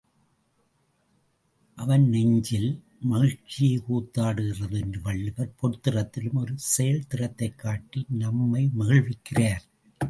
அவன் நெஞ்சில் மகிழ்ச்சியே கூத்தாடுகிறது என்று வள்ளுவர் பொர்த்திறத்திலும், ஒரு செயல் திறத்தைக் காட்டி நம்மை மகிழ்விக்கிறார்.